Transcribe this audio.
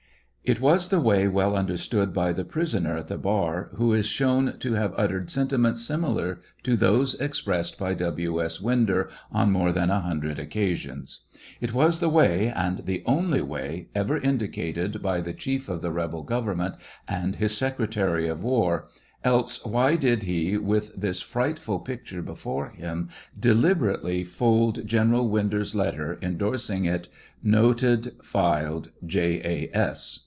It was the way well understood by the prisoner at the bar, who is shown to have uttered sentiments similar to those expressed by W. S. Winder on inore than a hundred occasions. It was the way, and the only way, ever indicated by the chief of the rebel government and his secretary of war, else why did he, with this frightful picture before him, deliberately fold General Winder's letter, indorsing it " Noted filed. — J. A. S."